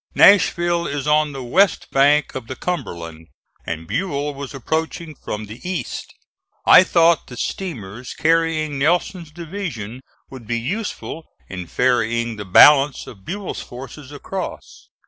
Nashville is on the west bank of the Cumberland, and Buell was approaching from the east. I thought the steamers carrying Nelson's division would be useful in ferrying the balance of Buell's forces across.